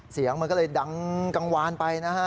เสียงมันก็เลยดังกังวานไปนะฮะ